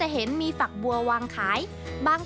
โหเม็ดบัวอบ